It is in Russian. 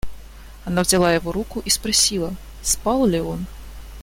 Она взяла его руку и спросила, спал ли он.